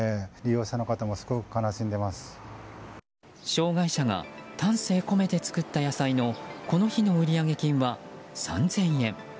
障害者が丹精込めて作った野菜のこの日の売上金は３０００円。